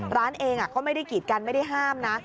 ร้านเองก็ไม่ได้กีดกันไม่ได้ห้ามนะ